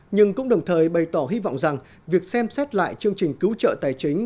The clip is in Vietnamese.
nhưng cũng đồng thời bày tỏ hy vọng rằng việc xem xét lại chương trình cứu trợ tài chính